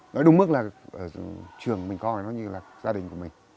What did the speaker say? nói đúng mức là trường mình coi nó như là gia đình của mình